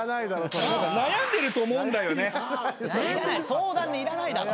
相談にいらないだろ。